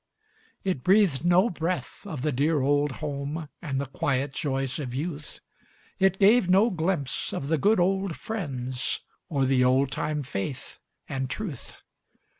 It breathed no breath of the dear old home And the quiet joys of youth; It gave no glimpse of the good old friends Or the old time faith and truth.